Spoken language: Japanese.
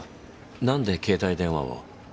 何で携帯電話を。